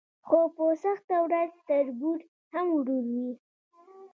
خو په سخته ورځ تربور هم ورور وي.